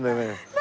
何？